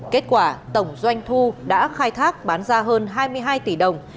kết quả tổng doanh thu đã khai thác bán ra hơn hai mươi hai tỷ đồng